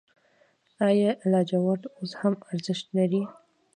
آیا لاجورد اوس هم ارزښت لري؟